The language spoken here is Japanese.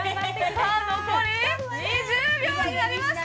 さあ残り２０秒になりました。